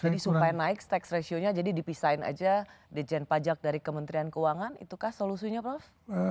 jadi supaya naik tax ratio nya jadi dipisahin aja dijen pajak dari kementerian keuangan itukah solusinya prof